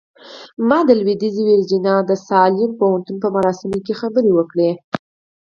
ما د لويديځې ويرجينيا د ساليم کالج په مراسمو کې خبرې وکړې.